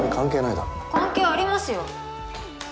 関係ありますよ。